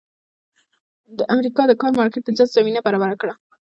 د امریکا د کار مارکېټ د جذب زمینه برابره کړه.